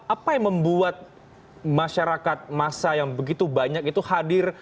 apa yang membuat masyarakat masa yang begitu banyak itu hadir